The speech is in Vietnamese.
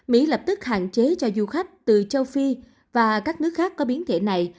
mỹ lập tức hạn chế cho du khách từ châu phi và các nước khác có biến thể này